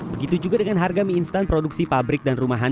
begitu juga dengan harga mie instan produksi pabrik dan rumahan